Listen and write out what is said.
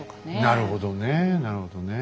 なるほどねえなるほどね。